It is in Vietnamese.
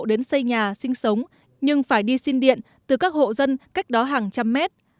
đến xây nhà sinh sống nhưng phải đi xin điện từ các hộ dân cách đó hàng trăm mét